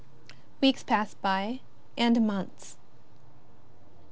Weeks passed by, and months.